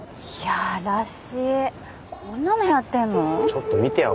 ちょっと見てよ。